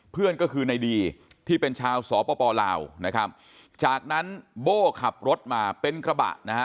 เพื่อนก็คือในดีที่เป็นชาวสปลาวนะครับจากนั้นโบ้ขับรถมาเป็นกระบะนะฮะ